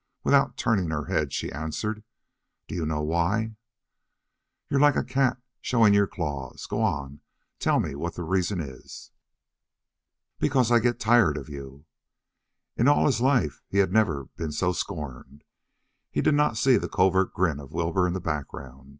Without turning her head she answered: "Do you want to know why?" "You're like a cat showing your claws. Go on! Tell me what the reason is." "Because I get tired of you." In all his life he had never been so scorned. He did not see the covert grin of Wilbur in the background.